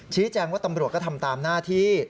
ชี้แจงว่าตำรวจก็ทำตามหน้าที่